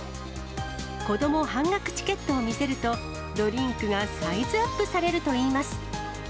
子ども半額チケットを見せると、ドリンクがサイズアップされるといいます。